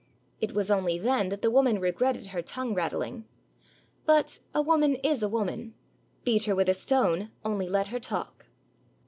It was only then that the woman regretted her tongue rattling. But a woman is a woman; beat her with a stone, only let her talk.